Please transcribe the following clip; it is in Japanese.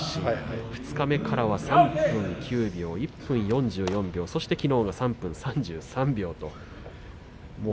二日目からは３分９秒１分４４秒そしてきのうは３分３３秒でした。